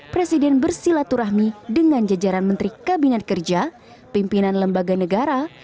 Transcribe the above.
presiden bersilaturahmi dengan jajaran menteri kabinet kerja pimpinan lembaga negara